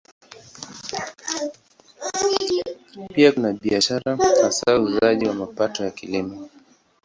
Pia kuna biashara, hasa uuzaji wa mapato ya Kilimo.